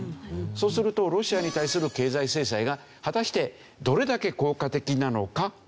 そうするとロシアに対する経済制裁が果たしてどれだけ効果的なのかという事。